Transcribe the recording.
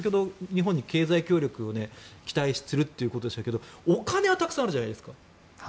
今の経済協力で期待するということですがお金はたくさんあるじゃないですか。